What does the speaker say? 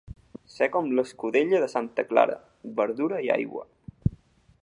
Ser com l'escudella de santa Clara, verdura i aigua.